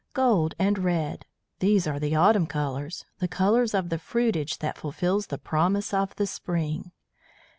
Gold and red! These are the autumn colours, the colours of the fruitage that fulfils the promise of the spring.